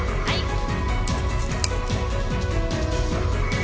はい。